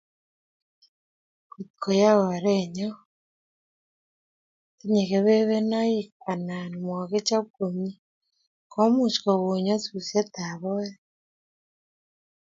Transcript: Kotko yaa oretye tinye kebenonik anan makichop komie ko much kokon nyasutiet ab oret